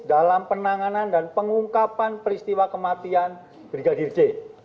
dalam penanganan dan pengungkapan peristiwa kematian brigadir j